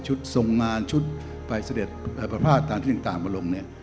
ชุดทรงงานชุดปลายเสด็จประพาทต่างมาลง